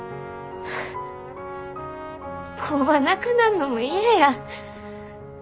工場なくなんのも嫌や。